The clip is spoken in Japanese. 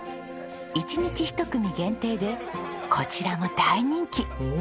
１日１組限定でこちらも大人気！